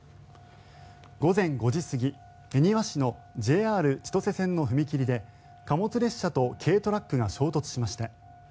午前５時過ぎ恵庭市のＪＲ千歳線の踏切で貨物列車と軽トラックが衝突しました。